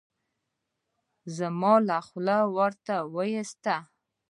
زما له خوا ورته ووایاست.